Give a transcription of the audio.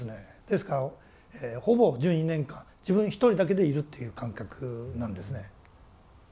ですからほぼ１２年間自分一人だけでいるという感覚なんですね。